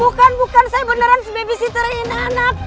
bukan bukan saya beneran babysitternya ini anak